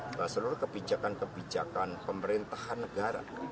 bahwa seluruh kebijakan kebijakan pemerintahan negara